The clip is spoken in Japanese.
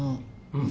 うん。